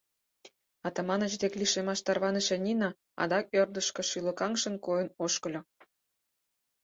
Атаманыч дек лишемаш тарваныше Нина адак ӧрдыжкӧ шӱлыкаҥшын койын ошкыльо.